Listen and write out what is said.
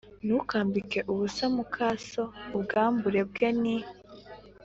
Ntukambike ubusa muka so Ubwambure bwe ni